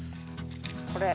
これ。